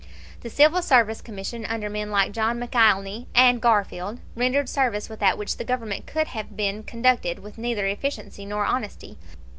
The Civil Service Commission, under men like John McIlhenny and Garfield, rendered service without which the Government could have been conducted with neither efficiency nor honesty.